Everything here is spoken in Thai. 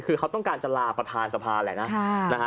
คือเขาต้องการจะลาประธานสภาแหละนะ